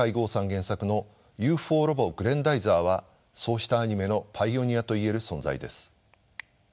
原作の「ＵＦＯロボグレンダイザー」はそうしたアニメのパイオニアと言える存在です。